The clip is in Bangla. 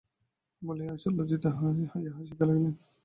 বলিয়া ঈষৎ লজ্জিত হইয়া হাসিতে লাগিলেন।